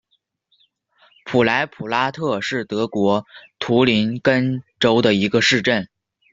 萨莱普拉特是德国图林根州的一个市镇。